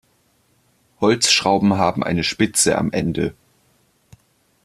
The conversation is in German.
Holzschrauben haben eine Spitze am Ende.